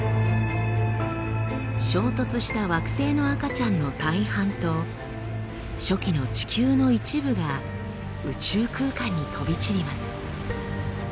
衝突した惑星の赤ちゃんの大半と初期の地球の一部が宇宙空間に飛び散ります。